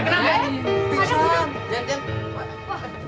gila lu jadi anak lu